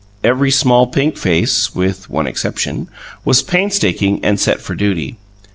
Every small pink face with one exception was painstaking and set for duty.